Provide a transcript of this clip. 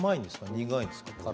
苦いですか？